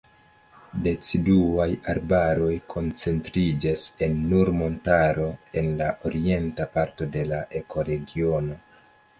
Deciduaj arbaroj koncentriĝas en Nur-Montaro en la orienta parto de la ekoregiono.